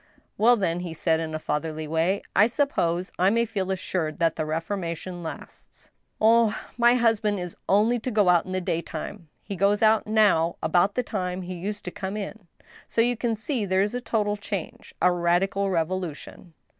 " Well, then," he said, in a fatherly way, " I suppose I may fed assured that the reformation lasts." Oh, my husband is only to go out in the daytime. ... He goes out now about the time he used to come in. So you can see there is a total change, a radical revolution."